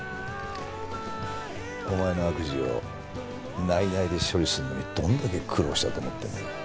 お前の悪事を内々で処理するのにどんだけ苦労したと思ってんだ。